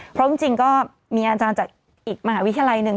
เพราะจริงก็มีอาจารย์จากอีกมหาวิทยาลัยหนึ่ง